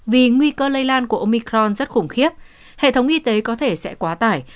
vì nguy cơ lây lan của omicron rất khủng khiếp hệ thống y tế có thể sẽ quá tải